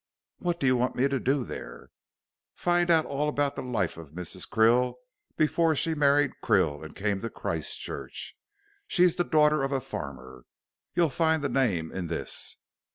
"What do you want me to do there?" "Find out all about the life of Mrs. Krill before she married Krill and came to Christchurch. She's the daughter of a farmer. You'll find the name in this."